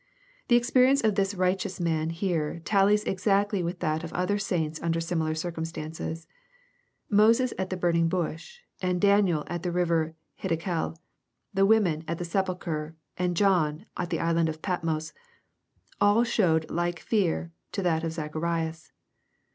The experience of this righteous man here, tallies exactly with that of other saints under similar circum stances. Moses at the burning bush, and Daniel at the river of Hiddekel, — ^the women at the sepulchre, and John at the isle of Patmos, — all showed like fear to that of Zacharias.